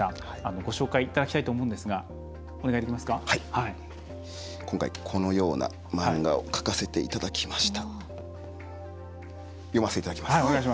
ご紹介いただきたいと今回、このような漫画を描かせていただきました。